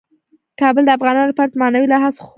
کابل د افغانانو لپاره په معنوي لحاظ خورا ارزښت لري.